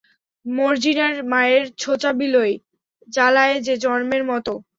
মর্জিনার মায়ের ছোচা বিলই, জ্বালায় যে জম্মের মতোন।